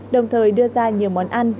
đồng thời đưa ra nhiều món ăn